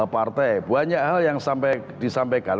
partai banyak hal yang sampai disampaikan